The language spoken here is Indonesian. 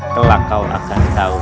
telah kau akan tahu